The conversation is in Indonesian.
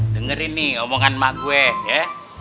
dengerin nih omongan emak gue ye